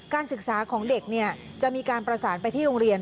ศึกษาของเด็กจะมีการประสานไปที่โรงเรียน